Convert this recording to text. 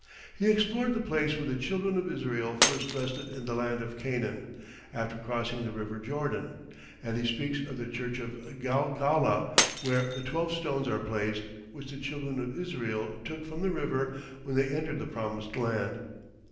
He explored the place where the children of Israel first rested in the land of Canaan after crossing the river Jordan, and he speaks of the church of Galgala, where the twelve stones are placed, which the children of Israel took from the river when they entered the promised land.